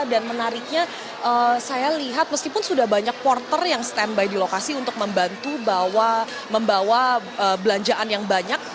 dan menariknya saya lihat meskipun sudah banyak porter yang stand by di lokasi untuk membantu membawa belanjaan yang banyak